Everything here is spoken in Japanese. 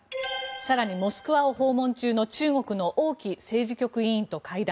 更に、モスクワを訪問中の中国の王毅政治局委員と会談。